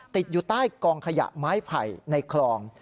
ติดอยู่ใต้กองขยะไม้ไผ่ในคลอง